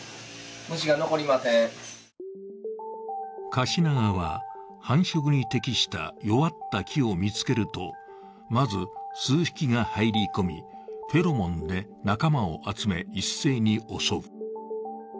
カシナガは繁殖に適した弱った木を見つけると、まず数匹が入り込み、フェロモンで仲間を集め一斉に襲う。